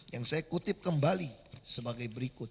yang saya kutip kembali sebagai berikut